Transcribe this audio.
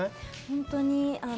本当に。